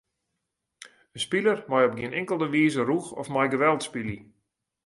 In spiler mei op gjin inkelde wize rûch of mei geweld spylje.